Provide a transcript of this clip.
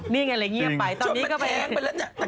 นี่ไงอะไรงี้เงียบไปตอนนี้ก็ไป